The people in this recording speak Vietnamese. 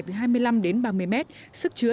từ hai mươi năm đến ba mươi mét sức chứa